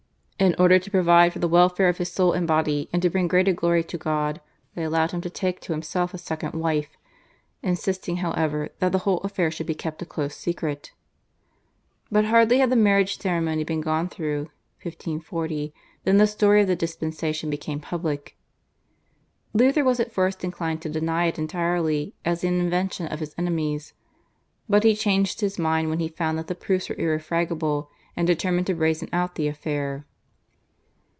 "In order to provide for the welfare of his soul and body and to bring greater glory to God," they allowed him to take to himself a second wife, insisting, however, that the whole affair should be kept a close secret. But hardly had the marriage ceremony been gone through (1540) than the story of the dispensation became public. Luther was at first inclined to deny it entirely as an invention of his enemies, but he changed his mind when he found that the proofs were irrefragable and determined to brazen out the affair.